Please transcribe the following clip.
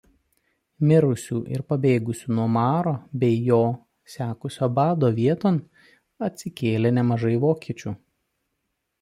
Mirusių ir pabėgusių nuo maro bei po jo sekusio bado vieton atsikėlė nemažai vokiečių.